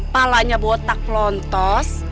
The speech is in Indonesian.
palanya botak pelontos